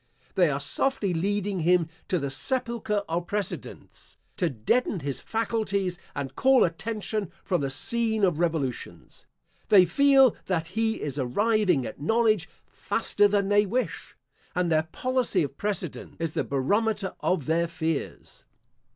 They are softly leading him to the sepulchre of precedents, to deaden his faculties and call attention from the scene of revolutions. They feel that he is arriving at knowledge faster than they wish, and their policy of precedents is the barometer of their fears.